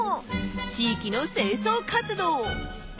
地域の清掃活動。